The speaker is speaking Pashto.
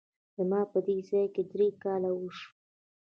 زما په دې ځای کي درې کاله وشوه !